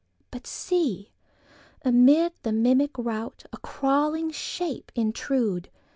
But see, amid the mimic routA crawling shape intrude!